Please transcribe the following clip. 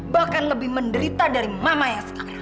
bahkan lebih menderita dari mama yang sekarang